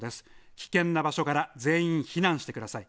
危険な場所から全員避難してください。